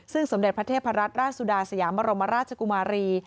ซึ่งสมเด็จพระเทพรัตนราชสุดาสยามบรมราชกุมารี